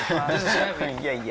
いやいや。